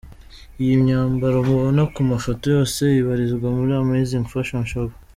Iyi myambaro mubona ku mafoto yose ibarizwa muri Amazing Fashion Shop.